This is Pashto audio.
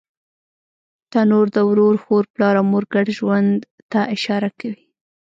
تنور د ورور، خور، پلار او مور ګډ ژوند ته اشاره کوي